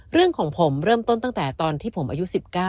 เรื่องของผมเริ่มต้นตั้งแต่ตอนที่ผมอายุ๑๙